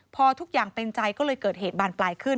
พอทุกอย่างเป็นใจก็เลยเกิดเหตุบานปลายขึ้น